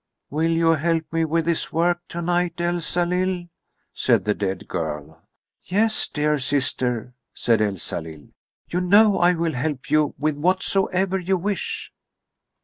"Will you help me with this work tonight, Elsalill?" said the dead girl. "Yes, dear sister," said Elsalill, "you know I will help you with whatsoever you wish."